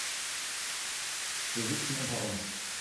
Wir sitzen unter uns.